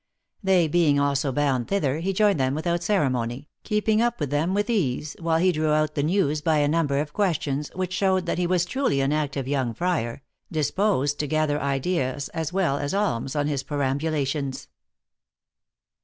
They being also bound thither, he joined them without ceremony, keeping up with them with ease, while he drew out the news by a number of questions, which showed that he was truly an active young friar, disposed to gather ideas as well as alms on his perambulations.